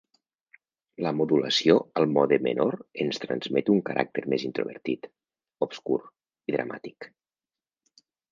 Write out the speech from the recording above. La modulació al mode menor ens transmet un caràcter més introvertit, obscur i dramàtic.